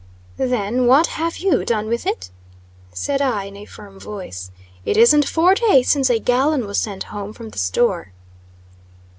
"Then, what have you done with it?" said I, in a firm voice. "It isn't four days since a gallon was sent home from the store."